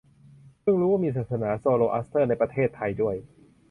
เพิ่งรู้ว่ามีศาสนาโซโรอัสเตอร์ในประเทศไทยด้วย